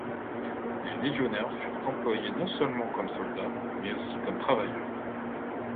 Les légionnaires furent employés non seulement comme soldats, mais aussi comme travailleurs.